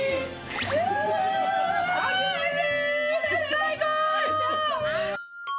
最高！